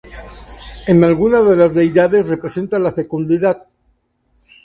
En alguna de las deidades representa la fecundidad.